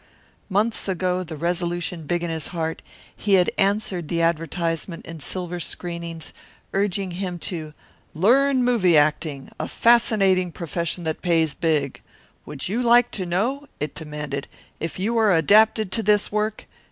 Months ago, the resolution big in his heart, he had answered the advertisement in Silver Screenings, urging him to "Learn Movie Acting, a fascinating profession that pays big. Would you like to know," it demanded, "if you are adapted to this work?